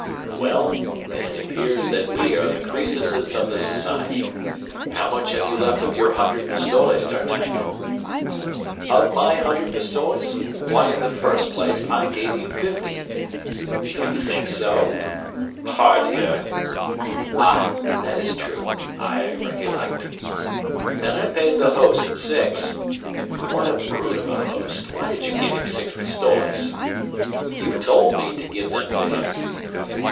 "Well, then it appears that we are the Crœsuses of the society. How much have you left of your hundred pistoles, D'Artagnan?" "Of my hundred pistoles? Why, in the first place I gave you fifty." "You think so?" "Pardieu!" "Ah, that is true. I recollect." "Then I paid the host six." "What a brute of a host! Why did you give him six pistoles?" "You told me to give them to him."